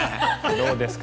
どうですか？